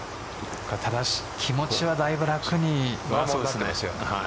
気持ちはだいぶ楽になってますよ。